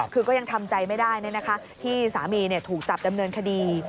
คือก็ยังทำใจไม่ได้ที่สามีถูกจับดำเนินคดี